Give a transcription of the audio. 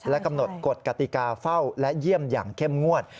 กำหนดกฎกติกาเฝ้าและเยี่ยมอย่างเข้มงวด